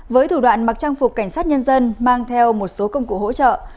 với thủ đoạn mặc trang phục cảnh sát nhân dân mang theo một số công cụ hỗ trợ